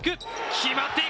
決まっていく！